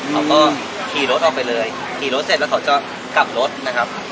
เขาก็ขี่รถออกไปเลยขี่รถเสร็จแล้วเขาจะกลับรถนะครับ